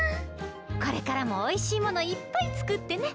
これからもおいしいものいっぱいつくってね。